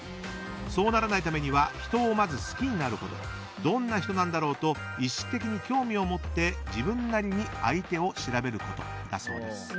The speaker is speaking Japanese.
そうならないためにはまず人を好きになることどんな人なんだろうと意識的に興味を持って自分なりに相手を調べることだそうです。